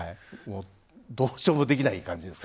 どうしようもできない感じです。